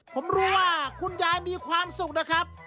ผมรู้ว่าคุณยายมีความสุขนะครับ